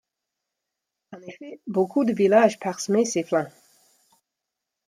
En effet, beaucoup de villages parsemaient ses flancs.